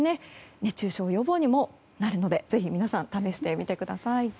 熱中症予防にもなるのでぜひ皆さん試してみてください。